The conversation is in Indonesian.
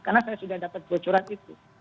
karena saya sudah dapat bocoran itu